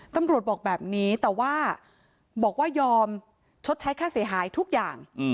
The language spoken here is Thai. ตำรวจบอกแบบนี้แต่ว่าบอกว่ายอมชดใช้ค่าเสียหายทุกอย่าง